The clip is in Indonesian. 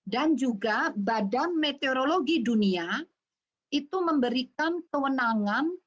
dan juga badan meteorologi dunia itu memberikan kewenangan